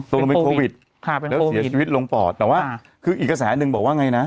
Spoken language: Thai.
ตกลงเป็นโควิดแล้วเสียชีวิตลงปอดแต่ว่าคืออีกกระแสหนึ่งบอกว่าไงนะ